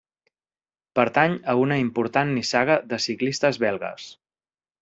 Pertany a una important nissaga de ciclistes belgues.